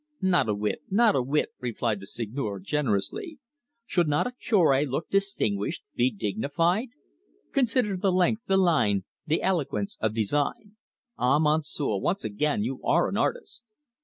"Not a whit not a whit," replied the Seigneur generously. "Should not a Cure look distinguished be dignified? Consider the length, the line, the eloquence of design! Ah, Monsieur, once again, you are an artist!